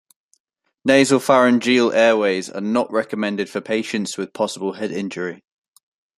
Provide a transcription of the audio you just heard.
Nasal pharyngeal airways are not recommended for patients with possible head injury.